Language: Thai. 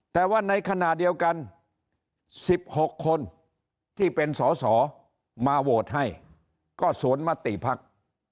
แต่ว่าในขณะเดียวกัน๑๖คนที่เป็นสอสอมาโหวตให้ก็สวนมติภักดิ์